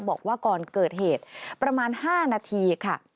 บอกว่าก่อนเกิดเหตุประมาณ๕นาทีค่ะ